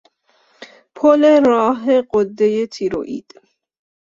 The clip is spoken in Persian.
پل راه غدهی تیروئید